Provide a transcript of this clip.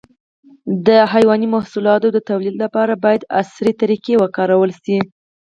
د حيواني محصولاتو د تولید لپاره باید عصري طریقې وکارول شي.